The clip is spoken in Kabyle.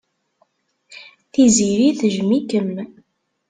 Tiziri tejjem-ikem.